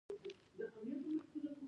مایکروسکوپ کوچني شیان لوی ښيي